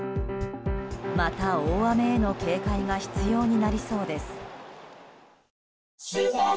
また大雨への警戒が必要になりそうです。